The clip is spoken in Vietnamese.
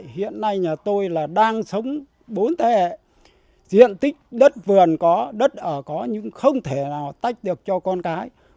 hiện nay nhà tôi là đang sống bốn thế hệ diện tích đất vườn có đất ở có nhưng không thể nào tách được cho con cái